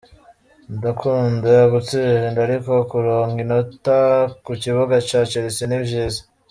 Ndakunda gutsinda, ariko kuronka inota ku kibuga ca Chelsea ni vyiza.